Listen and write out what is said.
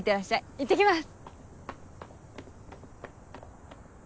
いってきます！